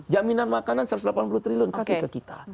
jaminan makanan satu ratus delapan puluh triliun kasih ke kita